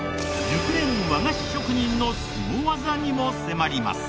熟練和菓子職人のスゴ技にも迫ります。